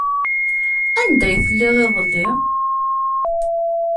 Anda ay telliḍ iḍelli?